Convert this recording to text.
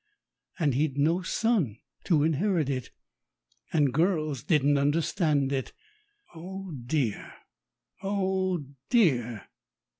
And he'd no son to inherit it, and girls didn't understand it. Oh dear, oh dear!